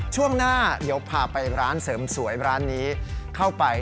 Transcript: ช่วงหน้าเดี๋ยวพาไปร้านเสริมสวยร้านนี้เข้าไป